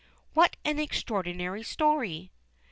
"What an extraordinary story!"